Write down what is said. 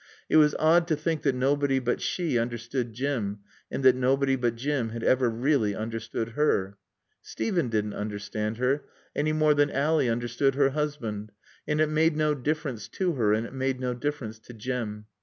It was odd to think that nobody but she understood Jim, and that nobody but Jim had ever really understood her. Steven didn't understand her, any more than Ally understood her husband. And it made no difference to her, and it made no difference to Jim.